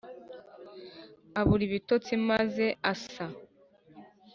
abura ibitotsi maze asa